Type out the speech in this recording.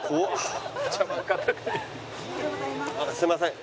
あっすいません。